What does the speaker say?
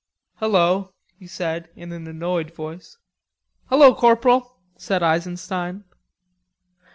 "Hello," he said in an annoyed voice. "Hello, corporal," said Eisenstein.